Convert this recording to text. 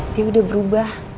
dia udah berubah